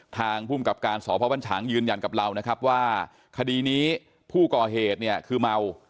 ทางภูมิกับการสพบรรฉางยืนยันกับเรานะครับว่าคดีนี้ผู้ก่อเหตุเนี่ยคือเมา